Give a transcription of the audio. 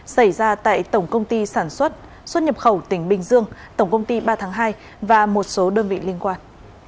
xảy ra tại tổng công ty sản xuất xuất nhập khẩu tỉnh bình dương tổng công ty ba tháng hai và một số đơn vị liên quan